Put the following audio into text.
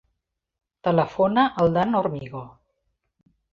Telefona al Dan Hormigo.